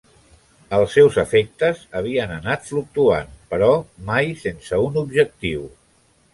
Els seus afectes havien anat fluctuant, però mai sense un objectiu.